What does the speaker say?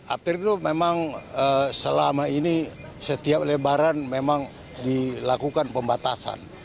akhirnya memang selama ini setiap lebaran memang dilakukan pembatasan